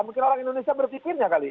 mungkin orang indonesia berpikirnya kali